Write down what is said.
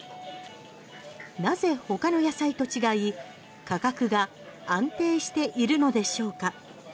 なぜ、ほかの野菜と違い価格が安定しているのでしょうか？